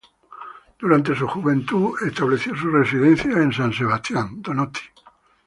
Durante su juventud estableció su residencia en San Sebastián.